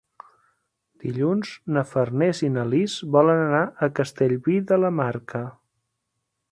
Dilluns na Farners i na Lis volen anar a Castellví de la Marca.